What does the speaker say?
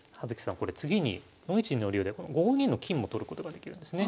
これ次に４一の竜でこの５二の金も取ることができるんですね。